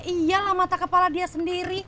iyalah mata kepala dia sendiri